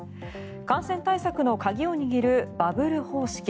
感染対策の鍵を握るバブル方式。